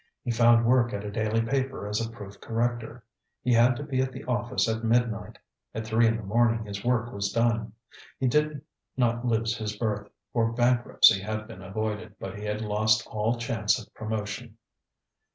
He found work at a daily paper as a proof corrector. He had to be at the office at midnight; at three in the morning his work was done. He did not lose his berth, for bankruptcy had been avoided, but he had lost all chance of promotion.